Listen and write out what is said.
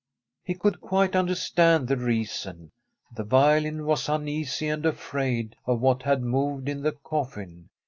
He could quite understand the reason. The violin was uneasy and afraid of what had moved in the coffin.